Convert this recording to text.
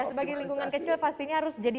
sebagai lingkungan kecil pastinya harus jadi